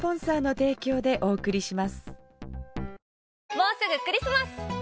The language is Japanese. もうすぐクリスマス！